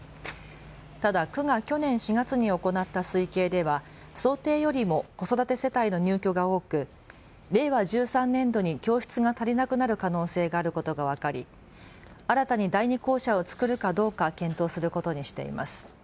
ただ区が去年４月に行った推計では想定よりも子育て世帯の入居が多く令和１３年度に教室が足りなくなる可能性があることが分かり新たに第二校舎をつくるかどうか検討することにしています。